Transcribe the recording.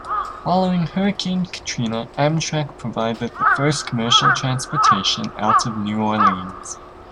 Following Hurricane Katrina, Amtrak provided the first commercial transportation out of New Orleans.